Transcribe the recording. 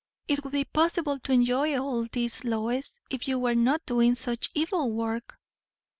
"It would be possible to enjoy all this, Lois, if you were not doing such evil work."